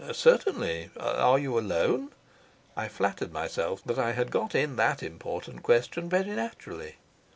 "Certainly. Are you alone?" I flattered myself that I had got in that important question very naturally.